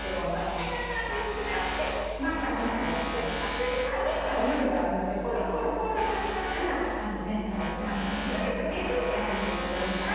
こんな感じで散らしてまた、ふたをして厚揚げ、面がいろいろあるのでころころ転がしながら全体を３分ぐらいかけて焼いてください。